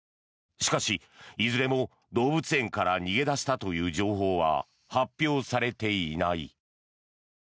しかし、いずれも動物園から逃げ出したという情報は発表されていない。